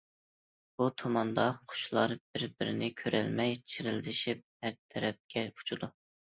بۇ تۇماندا قۇشلار بىر- بىرىنى كۆرەلمەي، چىرىلدىشىپ ھەر تەرەپكە ئۇچىدۇ.